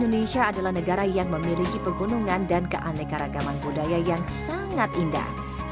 indonesia adalah negara yang memiliki pegunungan dan keanekaragaman budaya yang sangat indah